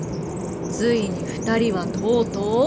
ついに２人はとうとう？